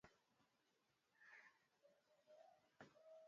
Tulikuwa na uhusiano wa karibu sana